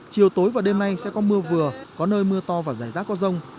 chiều tối và đêm nay sẽ có mưa vừa có nơi mưa to và rải rác có rông